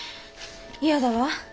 嫌だわ。